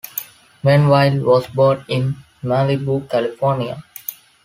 Menville was born in Malibu, California.